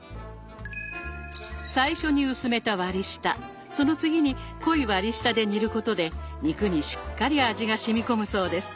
最初に薄めた割り下その次に濃い割り下で煮ることで肉にしっかり味がしみこむそうです。